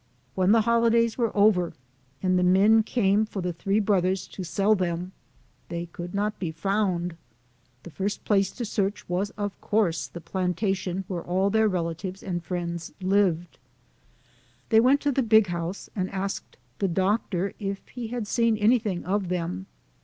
When the holidays were over, and the men came for the three brothers to sell them, they could not be found. The first place to search was of course the plantation where all their relatives and friends lived. They went to the " big house," and asked the "Doctor" if he had seen anything of them.